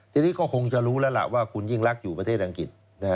ทีนี้ก็คงจะรู้แล้วล่ะว่าคุณยิ่งรักอยู่ประเทศอังกฤษ